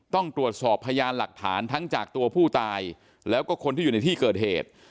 ต้องตรวจสอบพยานหลักฐานทั้งจากตัวผู้ตายแล้วก็คนที่อยู่ในที่เกิดเหตุ